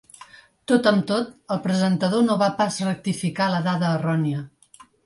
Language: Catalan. Tot amb tot, el presentador no va pas rectificar la dada errònia.